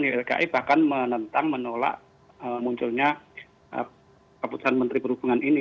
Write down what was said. ylki bahkan menentang menolak munculnya keputusan menteri perhubungan ini